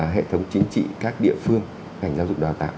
hệ thống chính trị các địa phương ngành giáo dục đào tạo